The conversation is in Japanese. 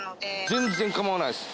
全然構わないっす。